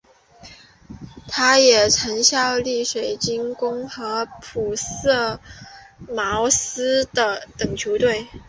他也曾效力于水晶宫和朴茨茅斯等球队。